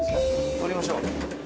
降りましょう。